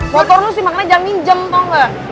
botol lo sih makanya jangan minjem tau nggak